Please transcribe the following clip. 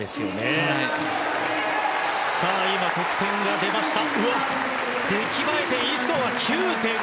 高得点が出ました。